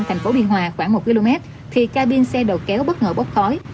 thành phố biên hòa khoảng một km thì ca biên xe đầu kéo bất ngờ bốc khói